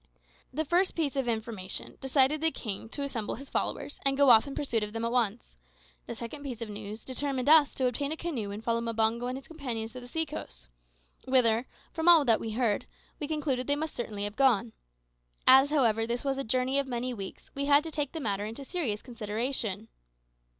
The first piece of information decided the king to assemble his followers, and go off in pursuit of them at once; the second piece of news determined us to obtain a canoe and follow Mbango and his companions to the sea coast, whither, from all that we heard, we concluded they must certainly have gone. As this, however, was a journey of many weeks, we had to take the matter into serious consideration.